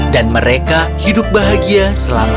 dan mereka hidup bahagia selamanya